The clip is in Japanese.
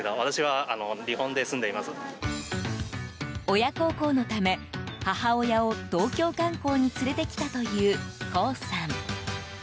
親孝行のため、母親を東京観光に連れてきたというコウさん。